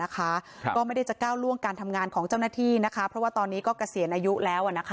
ก็ไม่ได้จะก้าวล่วงการทำงานของเจ้าหน้าที่นะคะเพราะว่าตอนนี้ก็เกษียณอายุแล้ว